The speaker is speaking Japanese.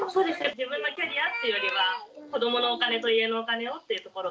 自分のキャリアっていうよりは子どものお金と家のお金をっていうところが大きいですね。